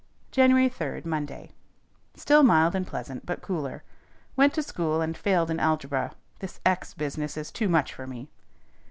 _ =JANUARY 3, MONDAY.= Still mild and pleasant, but cooler. _Went to school, and failed in algebra. This X business is too much for me.